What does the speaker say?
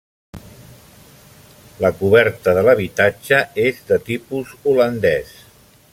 La coberta de l'habitatge és de tipus holandès.